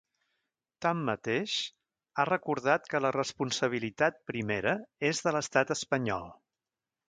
Tanmateix, ha recordat que la responsabilitat primera és de l’estat espanyol.